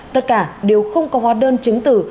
tất cả đều không có hóa đơn chứng tử